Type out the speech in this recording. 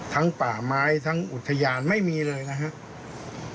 ป่าไม้ทั้งอุทยานไม่มีเลยนะครับ